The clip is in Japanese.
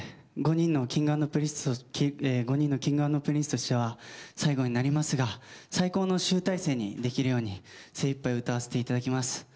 ５人のＫｉｎｇ＆Ｐｒｉｎｃｅとしては最後になりますが最高の集大成にできるように精いっぱい歌わせていただきます。